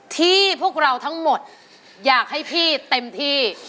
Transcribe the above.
ที่พวกเราทั้งหมดอยากให้พี่เต็มที่